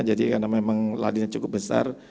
jadi karena memang ladinya cukup besar